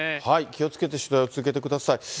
気をつけて取材を続けてください。